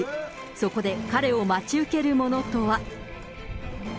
そこで彼を待ち受けるもの